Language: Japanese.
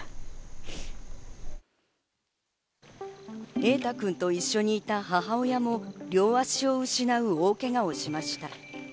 瑛大君と一緒にいた母親も両脚を失う大ケガをしました。